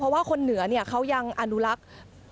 ว่าคนเหนือเขายังอนุลักษณ์